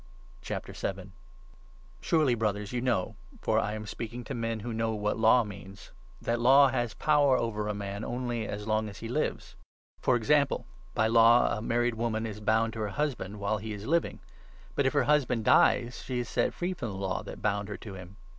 can Law Surely, Brothers, you know (for I am speaking i deliver from to men who know what Law means) that Law a sinful Life?has power over a man only as long as he lives. For example, by law a married woman is bound to her 2 380 ROMANS, 7. husband while he is living ; but, if her husband dies, she is set free from the law that bound her to him.